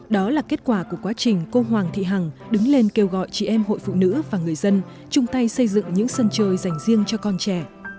đó là kết quả của quá trình cô hoàng thị hằng đứng lên kêu gọi chị em hội phụ nữ và người dân chung tay xây dựng những sân chơi dành riêng cho con trẻ